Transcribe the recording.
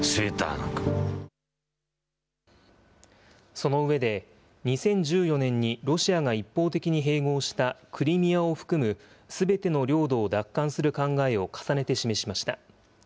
その上で、２０１４年にロシアが一方的に併合したクリミアを含むすべての領土を奪還する考えを重ねて示しました。